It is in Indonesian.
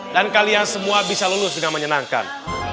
dan kalian semua bisa lulus dengan menyenangkan